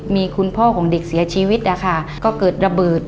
มีคุณพ่อของเด็กเสียชีวิตนะคะก็เกิดระเบิด